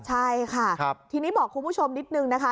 ใช่ค่ะทีนี้บอกคุณผู้ชมนิดนึงนะคะ